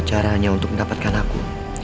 caranya untuk mendapatkan aku